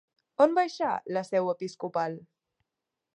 On baixà la seu episcopal?